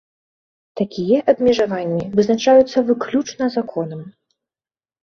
Такія абмежаванні вызначаюцца выключна законам.